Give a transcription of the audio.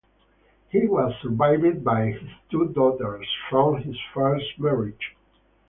He was survived by his two daughters from his first marriage.